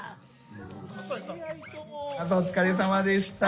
お疲れさまでした。